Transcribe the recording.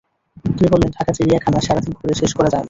তিনি বললেন, ঢাকা চিড়িয়াখানা সারা দিন ঘুরে শেষ করা যায় না।